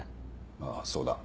ああそうだ。